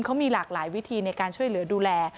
เขามีหลากหลายวิธีในการช่วยเหลือดูแล